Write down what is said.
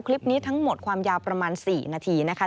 คลิปนี้ทั้งหมดความยาวประมาณ๔นาทีนะคะ